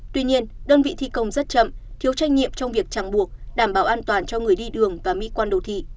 tuy nhiên đơn vị thi công rất chậm thiếu trách nhiệm trong việc chẳng buộc đảm bảo an toàn cho người đi đường và mỹ quan đồ thị